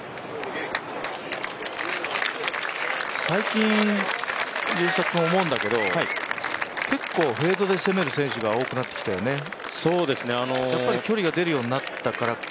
最近、優作君、思うんだけど、結構、フェードで攻める選手が多くなってきたよね、結構距離が出るようになったから？